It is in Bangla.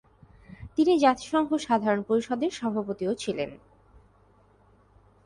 তিনি জাতিসংঘ সাধারণ পরিষদের সভাপতিও ছিলেন।